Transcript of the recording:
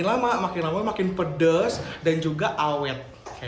nah makin lama makin pedas dan juga awet